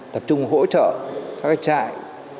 tập trung hỗ trợ các trại